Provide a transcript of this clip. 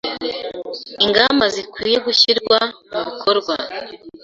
Ingamba zikwiye gushyirwa mu bikorwa